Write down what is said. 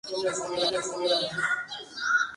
El disco salió al mercado en octubre.